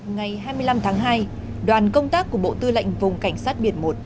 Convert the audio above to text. ngày hai mươi năm tháng hai đoàn công tác của bộ tư lệnh vùng cảnh sát biển một